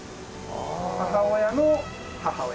母親の母親。